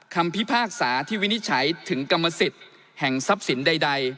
พิพากษาที่วินิจฉัยถึงกรรมสิทธิ์แห่งทรัพย์สินใด